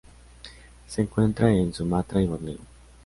Se encuentra en Sumatra y Borneo.